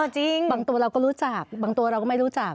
จริงบางตัวเราก็รู้จักบางตัวเราก็ไม่รู้จัก